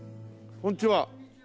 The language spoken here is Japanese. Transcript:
こんにちは。